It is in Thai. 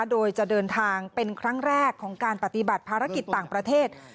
โดยจะเดินทางเป็นครั้งแรกของการปฏิบัติภารกิจต่างประเทศ